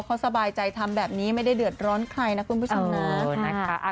เขาสบายใจทำแบบนี้ไม่ได้เดือดร้อนใครนะคุณผู้ชมนะนะคะ